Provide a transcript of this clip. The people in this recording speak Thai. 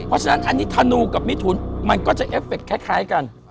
เพราะฉะนั้นอันนี้ธนูกับมิถุนมันก็จะเอฟเคคล้ายกัน